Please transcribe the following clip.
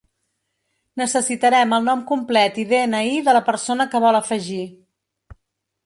Necessitarem el nom complet i de-ena-i de la persona que vol afegir.